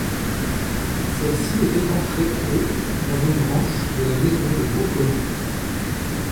Celle-ci était entrée au dans une branche de la maison de Vaugrenans.